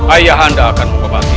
ayah anda akan mengobati